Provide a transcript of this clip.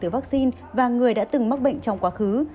từ vaccine và người đã từng mắc bệnh trong quá khứ